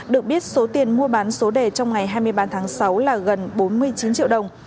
được biết số tiền mua bán số đề trong ngày hai mươi ba tháng sáu là gần bốn mươi chín triệu đồng